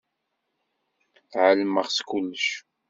Ɛelmeɣ s kullec.